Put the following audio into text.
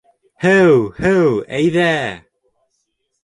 «Һеү, һеү, әйҙә!»